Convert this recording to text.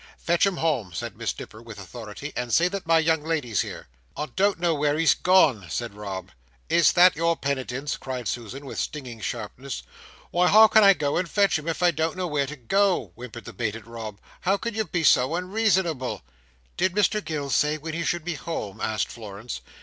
"Fetch him home," said Miss Nipper, with authority, "and say that my young lady's here." "I don't know where he's gone," said Rob. "Is that your penitence?" cried Susan, with stinging sharpness. "Why how can I go and fetch him when I don't know where to go?" whimpered the baited Rob. "How can you be so unreasonable?" "Did Mr Gills say when he should be home?" asked Florence.